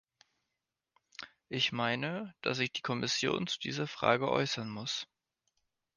Ich meine, dass sich die Kommission zu dieser Frage äußern muss.